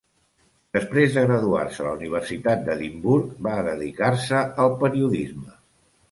Després de graduar-se a la Universitat d'Edimburg, va dedicar-se al periodisme.